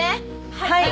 はい。